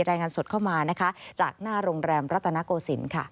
รายงานสดเข้ามานะคะจากหน้าโรงแรมรัตนโกศิลป์